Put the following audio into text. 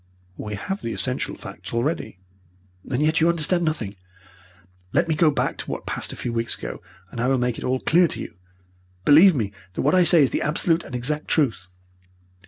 "We have the essential facts already." "And yet you understand nothing. Let me go back to what passed a few weeks ago, and I will make it all clear to you. Believe me that what I say is the absolute and exact truth.